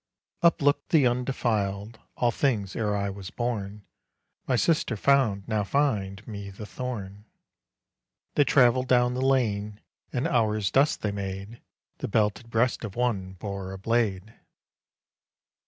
Uplooked the undefiled: "All things, ere I was born, My sister found; now find Me the thorn." They travelled down the lane, An hour's dust they made: The belted breast of one Bore a blade.